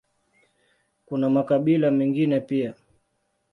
Kuna makabila mengine pia.